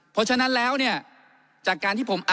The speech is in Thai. เพราะฉะนั้นแล้วเนี่ยจากการที่ผม